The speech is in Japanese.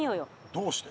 どうして？